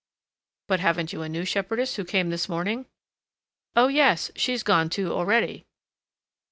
"But haven't you a new shepherdess who came this morning?" "Oh! yes! she's gone, too, already."